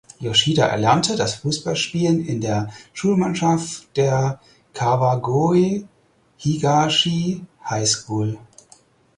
Yoshida erlernte das Fußballspielen in der Schulmannschaft der Kawagoe Higashi High School.